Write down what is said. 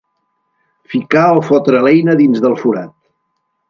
Ficar o fotre l'eina dins del forat.